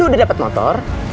lu udah dapat motor